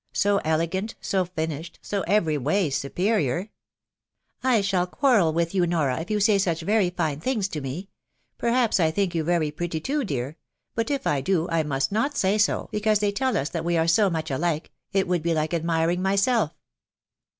• so elegant, so finished, so every way superior/' " I shall quarrel with you, Nora, if you say such very fine things to me Perhaps I think you very pretty, too, dear ; fcut if I do, I must not say so, because they tell us that we are so much alike it would be like admiring myself."